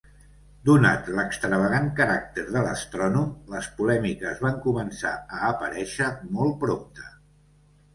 Donat l'extravagant caràcter de l'astrònom, les polèmiques van començar a aparèixer molt prompte.